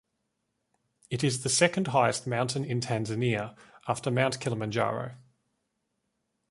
It is the second-highest mountain in Tanzania, after Mount Kilimanjaro.